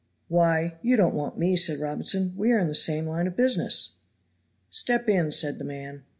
"Why, you don't want me," said Robinson; "we are in the same line of business." "Step in," said the man.